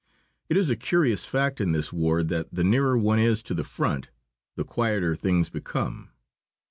It is a curious fact in this war that the nearer one is to the front the quieter things become.